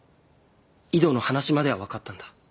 井戸の話までは分かったんだ。